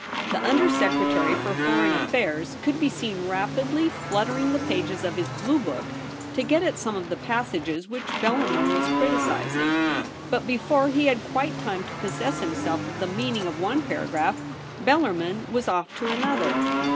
The Under Secretary for Foreign Affairs could be seen rapidly fluttering the pages of his blue book to get at some of the passages which Bellarmin was criticising ; but before ROLFE BELLARMIN. 201 he had quite time to possess himself of the meaning of one paragraph Bellarmin was off to another.